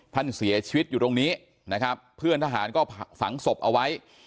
ท่านเสียชีวิตอยู่ตรงนี้นะครับเพื่อนทหารก็ฝังศพเอาไว้